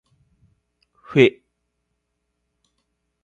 ふぇ